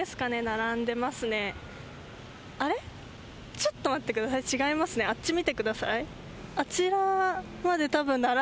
ちょっと待ってください、違いますね、あっちを見てください。